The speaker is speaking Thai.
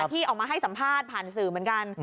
ที่ออกมาให้สัมภาษณ์ผ่านสื่อเหมือนกัน